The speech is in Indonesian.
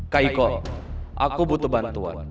kak iko aku butuh bantuan